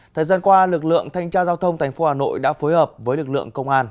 thời gian qua lực lượng thanh tra giao thông tp hà nội đã phối hợp với lực lượng công an